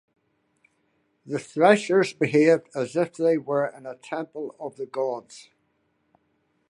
The threshers behave as if they were in a temple of the gods.